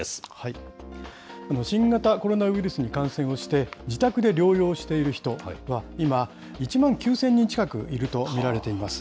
新型コロナウイルスに感染をして、自宅で療養をしている人は今、１万９０００人近くいると見られています。